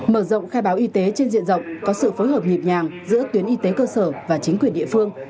mở rộng khai báo y tế trên diện rộng có sự phối hợp nhịp nhàng giữa tuyến y tế cơ sở và chính quyền địa phương